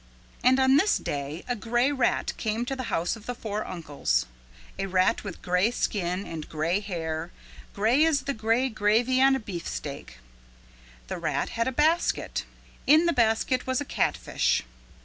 And on this day a gray rat came to the house of the four uncles, a rat with gray skin and gray hair, gray as the gray gravy on a beefsteak. The rat had a basket. In the basket was a catfish.